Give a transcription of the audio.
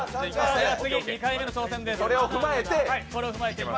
次２回目の挑戦です。